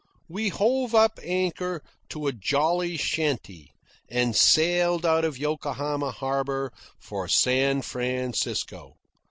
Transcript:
We hove up anchor to a jolly chanty, and sailed out of Yokohama harbour for San Francisco.